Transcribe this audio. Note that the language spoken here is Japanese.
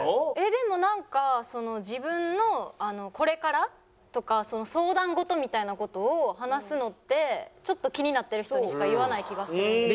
でもなんか自分のこれからとか相談事みたいな事を話すのってちょっと気になってる人にしか言わない気がするんですね。